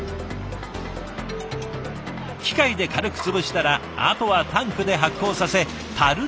機械で軽く潰したらあとはタンクで発酵させたるで熟成。